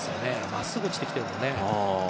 まっすぐ落ちてきてるもんね。